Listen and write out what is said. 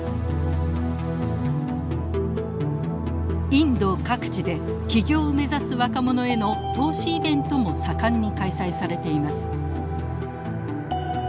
インド各地で起業を目指す若者への投資イベントも盛んに開催されています。